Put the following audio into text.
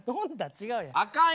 違うやん。